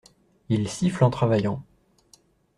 Il siffle en travaillant.